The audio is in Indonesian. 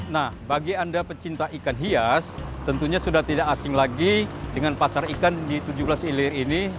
nah bagi anda pecinta ikan hias tentunya sudah tidak asing lagi dengan pasar ikan di tujuh belas ilir ini